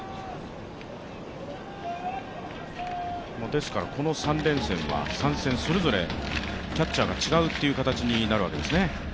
ですから、この３連戦は３戦、それぞれキャッチャーが違うという形になるわけですね。